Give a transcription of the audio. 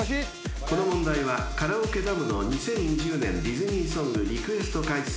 ［この問題はカラオケＤＡＭの２０２０年ディズニーソングリクエスト回数